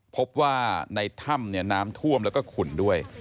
พบว่าในถ้ำน้ำท่วมแล้วก็ขุ่นด้วย